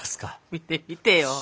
見てみてよ。